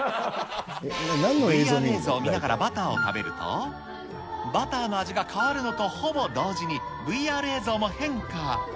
ＶＲ映像を見ながらバターを食べると、バターの味が変わるのとほぼ同時にＶＲ映像も変化。